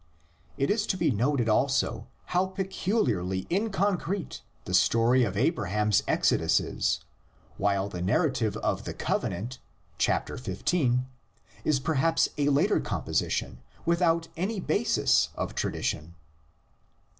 It is to be noted also how peculiarly inconcrete the story of Abraham's exodus is; while the narrative of the covenant, chapter xv., is perhaps a later composition without any basis of tradition!